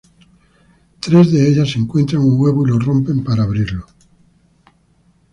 Tres de ellas encuentran un huevo y lo rompen para abrirlo.